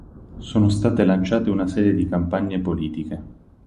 Sono state lanciate una serie di campagne politiche.